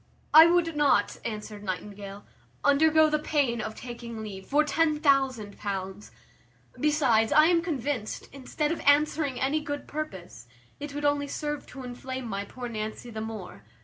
"I would not," answered Nightingale, "undergo the pain of taking leave, for ten thousand pounds; besides, I am convinced, instead of answering any good purpose, it would only serve to inflame my poor Nancy the more.